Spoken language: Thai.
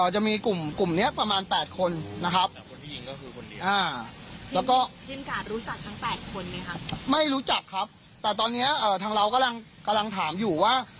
จะมีกลุ่มกลุ่มเนี่ยประมาณ๘คนนะครับอ่าแล้วก็ไม่รู้จักครับแต่ตอนเนี้ยเอ่อทางเรากำลังกำลังถามอยู่ว่า